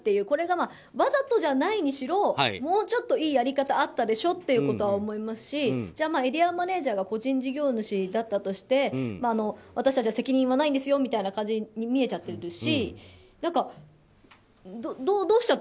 これがわざとじゃないにしろもうちょっといいやり方があったでしょってことは思いますし、エリアマネジャーが個人事業主だったとして私たちは責任を負わないんですよという感じに見えちゃってるし。